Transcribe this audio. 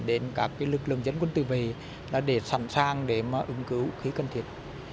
đến các lực lượng dân quân tự vệ sẵn sàng để ứng cứu khí cần thiết